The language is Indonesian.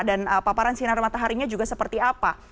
dan paparan sinar mataharinya juga seperti apa